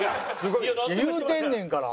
言うてんねんから。